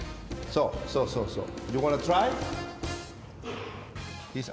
そうそうそうそう！